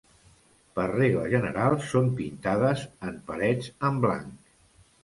Per regla general són pintades en parets en blanc.